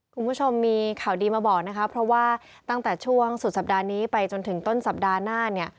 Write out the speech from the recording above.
คุณผู้ชมมีข่าวดีมาบอกนะคะเพราะว่าตั้งแต่ช่วงสุดสัปดาห์นี้ไปจนถึงต้นสัปดาห์หน้าเนี่ย